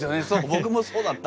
僕もそうだった。